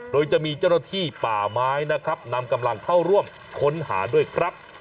โดยจะมีเจ้าหน้าที่ป่าไม้นะครับนำกำลังเข้าร่วมค้นหาด้วยครับ